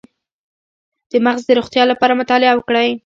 د مغز د روغتیا لپاره مطالعه وکړئ